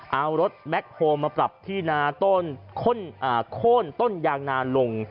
เอารถแบ็คโฮลมาปรับที่นาต้นโค้นต้นยางนาลง